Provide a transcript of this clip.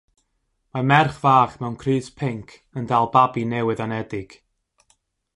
Mae merch fach mewn crys pinc yn dal babi newydd-anedig